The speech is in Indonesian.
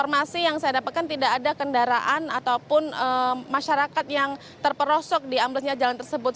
informasi yang saya dapatkan tidak ada kendaraan ataupun masyarakat yang terperosok di amblesnya jalan tersebut